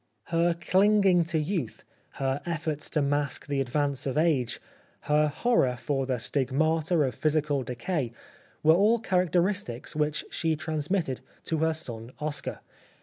Her clinging to youth, her efforts to mask the advance of age, her horror for the stigmata of physical decay were all characteristics which she transmitted to her son Oscar.